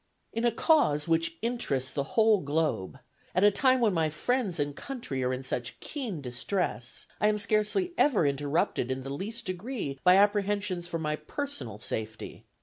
"In a cause which interests the whole globe, at a time when my friends and country are in such keen distress, I am scarcely ever interrupted in the least degree by apprehensions for my personal safety.